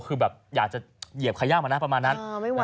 คือแบบอยากจะเหยียบขย่ำมานะประมาณนั้น